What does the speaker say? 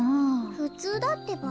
ふつうだってば。